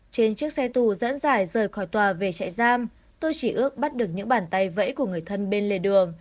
trên chiếc xe tù dẫn dài rời khỏi tòa về trại giam tôi chỉ ước bắt được những bàn tay vẫy của người thân bên lề đường